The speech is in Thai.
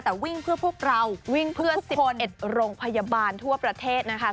แต่วิ่งเพื่อพวกเราวิ่งเพื่อ๑๑โรงพยาบาลทั่วประเทศนะคะ